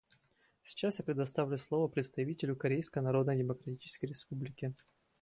Сейчас я предоставляю слово представителю Корейской Народно-Демократической Республики.